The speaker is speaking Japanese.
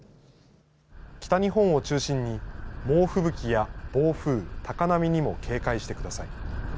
北日本を中心に猛吹雪や暴風高波にも警戒してください。